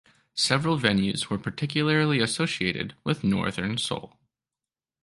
Several venues were particularly associated with Northern Soul.